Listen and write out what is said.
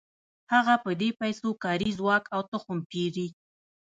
هغه په دې پیسو کاري ځواک او تخم پېري